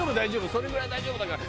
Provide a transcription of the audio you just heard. それぐらい大丈夫だから」。